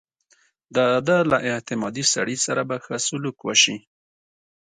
د ده له اعتمادي سړي سره به ښه سلوک وشي.